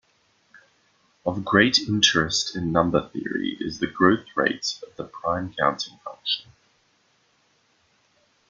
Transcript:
Of great interest in number theory is the growth rate of the prime-counting function.